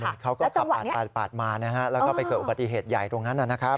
เขาก็ขับปาดมานะฮะแล้วก็ไปเกิดอุบัติเหตุใหญ่ตรงนั้นนะครับ